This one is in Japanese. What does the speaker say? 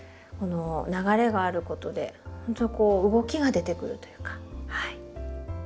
この流れがあることでほんとにこう動きが出てくるというか。